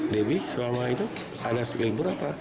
febi selama itu ada libur apa tetap masuk